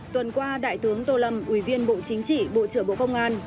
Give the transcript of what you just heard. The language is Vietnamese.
tuần qua đại tướng tô lâm ủy viên bộ chính trị bộ trưởng bộ công an